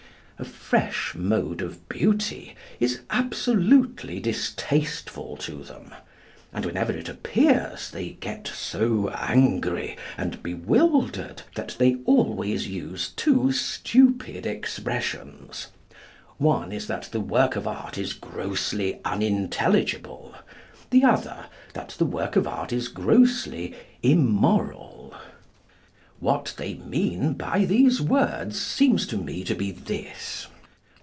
A fresh mode of Beauty is absolutely distasteful to them, and whenever it appears they get so angry, and bewildered that they always use two stupid expressions—one is that the work of art is grossly unintelligible; the other, that the work of art is grossly immoral. What they mean by these words seems to me to be this.